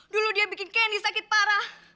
dulu dia bikin kenny sakit parah